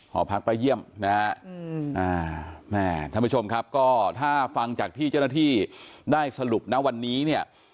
หอพักป้าเยี่ยมนะฮะแม่ท่านผู้ชมครับก็ถ้าฟังจากที่เจ้าหน้าที่ได้สรุปนะวันนี้เนี่ย